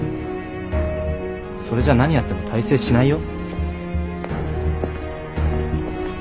それじゃ何やっても大成しないよ。